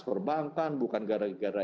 perbankan bukan gara gara